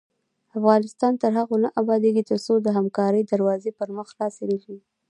افغانستان تر هغو نه ابادیږي، ترڅو د همکارۍ دروازې پر مخ خلاصې نه وي.